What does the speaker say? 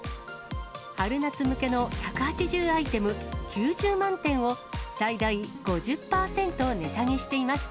春夏向けの１８０アイテム、９０万点を最大５０％値下げしています。